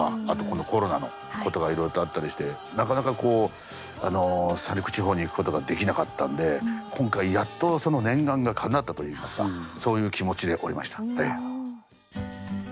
あとこのコロナのことがいろいろあったりしてなかなかこう三陸地方に行くことができなかったんで今回やっとその念願がかなったといいますかそういう気持ちでおりました。